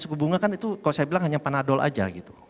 suku bunga kan itu kalau saya bilang hanya panadol aja gitu